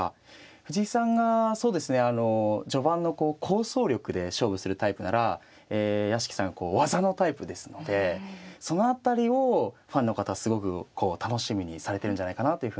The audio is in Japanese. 藤井さんがそうですねあの序盤の構想力で勝負するタイプなら屋敷がこう技のタイプですのでその辺りをファンの方はすごくこう楽しみにされてるんじゃないかなというふうに思いますね。